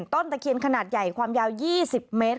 ตะเคียนขนาดใหญ่ความยาว๒๐เมตร